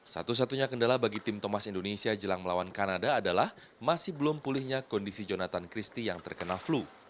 satu satunya kendala bagi tim thomas indonesia jelang melawan kanada adalah masih belum pulihnya kondisi jonathan christie yang terkena flu